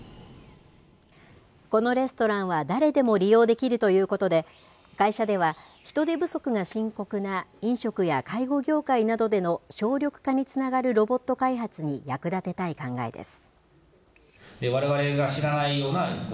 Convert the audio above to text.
このレストランはだれでも利用できるということで、会社では、人手不足が深刻な飲食や介護業界などでの省力化につながるロボット開発に役立てたい考えです。